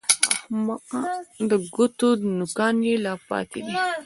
احمقه! د ګوتو نوکان يې لا پاتې دي!